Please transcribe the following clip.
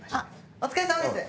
お疲れさまです。